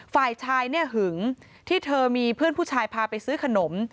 ฝ่ายชายเนี่ยหึงที่เธอมีเพื่อนผู้ชายพาไปซื้อขนม